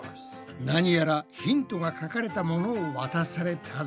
何やらヒントが書かれたものを渡されたぞ。